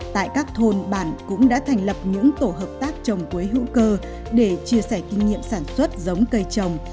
tại các thôn bản cũng đã thành lập những tổ hợp tác trồng quế hữu cơ để chia sẻ kinh nghiệm sản xuất giống cây trồng